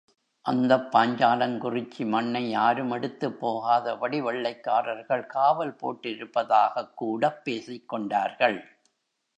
அந்தப் பாஞ்சாலங்குறிச்சி மண்ணை யாரும் எடுத்துப் போகாதபடி வெள்ளைக்காரர்கள் காவல் போட்டிருப்பதாகக் கூடப் பேசிக் கொண்டார்கள்.